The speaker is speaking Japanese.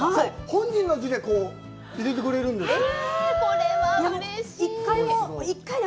本人の字でこう入れてくれるんですよ。